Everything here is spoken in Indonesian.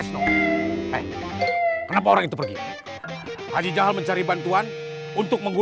bukan ga enak dilihat orang